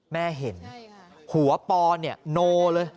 แม่เห็นหัวปอเนี่ยโนเลย